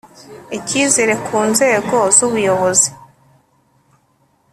Icyizere ku nzego z ubuyobozi